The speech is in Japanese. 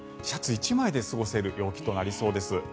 シャツ１枚で過ごせる陽気となりそうです。